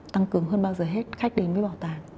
tăng cường hơn bao giờ hết khách đến với bảo tàng